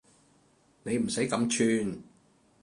你唔使咁串